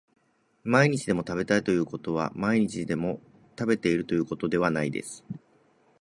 毎日でも食べたいということは毎日でも食べているということではないです